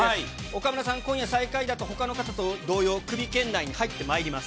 岡村さん、今夜最下位だと、ほかの方と同様、クビ圏内に入ってまいります。